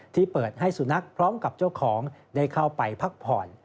ที่เปิดให้สุนัขพร้อมกับเจ้าของได้เข้าไปพักผ่อน